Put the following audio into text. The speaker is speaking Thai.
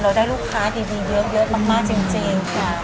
เราได้ลูกค้าดีเยอะมากจริง